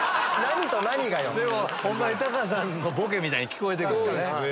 でもホンマにタカさんのボケみたいに聞こえてくるよね。